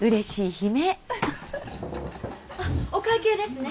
悲鳴あっお会計ですね？